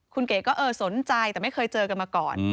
คุณเก๋ก็เออสนใจแต่ไม่เคยเจอกันมาก่อน